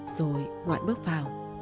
rồi ngoại bước vào